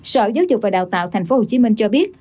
sở giáo dục và đào tạo tp hcm cho biết